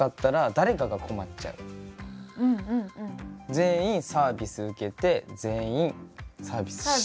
全員サービス受けて全員サービスして。